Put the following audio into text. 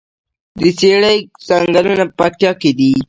د څیړۍ ځنګلونه په پکتیا کې دي؟